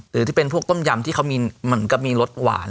หรือที่เป็นพวกต้มยำที่มันก็มีรสหวาน